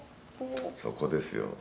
そこですよ。